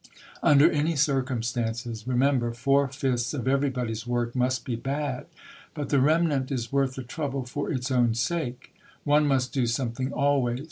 "Under any circumstances, remember, four fifths of everybody's work must be bad. But the remnant is worth the trouble for its own sake." "One must do something always.